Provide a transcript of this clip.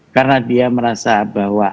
karena dia merasa bahwa